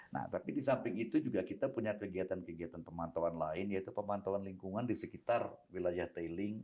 nah tapi di samping itu juga kita punya kegiatan kegiatan pemantauan lain yaitu pemantauan lingkungan di sekitar wilayah tailing